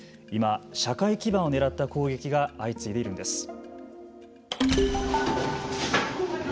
今、社会基盤を狙った攻撃が相次いでいるんです。